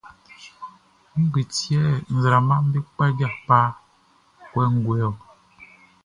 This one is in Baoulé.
Ngue ti yɛ nzraamaʼm be kpaja kpa kɔnguɛ ɔ?